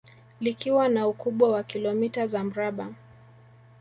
Likiwa na ukubwa wa kilomita za mraba